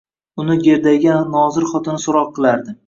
Uni gerdaygan nozir xotini soʻroq qilardi.